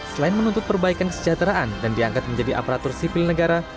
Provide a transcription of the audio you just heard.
selain menuntut perbaikan kesejahteraan dan diangkat menjadi aparatur sipil negara